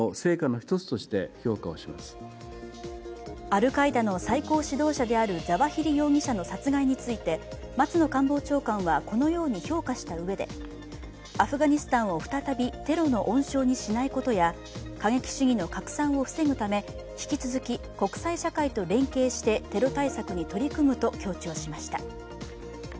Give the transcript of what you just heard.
アルカイダの最高指導者であるザワヒリ容疑者の殺害について松野官房長官はこのように評価したうえでアフガニスタンを再びテロの温床にしないことや過激主義の拡散を防ぐため引き続き国際社会と連携してテロ対策に取り組むと強調しました。